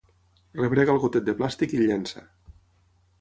Rebrega el gotet de plàstic i el llença.